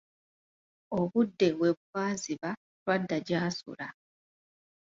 Obudde we bwaziba twadda gy'asula.